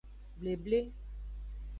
Bleble.